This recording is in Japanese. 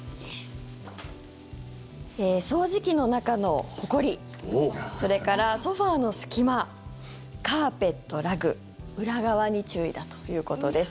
掃除機の中のほこりそれからソファの隙間カーペット・ラグ裏側に注意だということです。